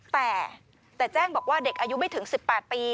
แต่แจ้งบอกว่าเด็กอายุไม่ถึง๑๘ปี